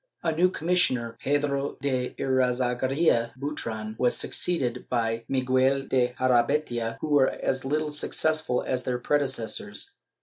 A new commissioner, Pedro de Irazagarria Butron, was succeeded by Miguel de Jarabeytia, who were as little successful as their predecessors.